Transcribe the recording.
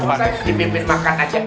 dipimpin makan aja